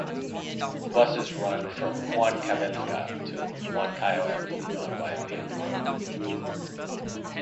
Buses run from Huancavelica to Huancayo and Lima by a paved road.